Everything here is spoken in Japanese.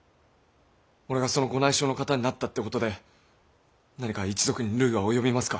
俺がそのご内証の方になったってことで何か一族に累は及びますか。